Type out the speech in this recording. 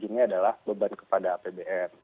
ini adalah beban kepada apbn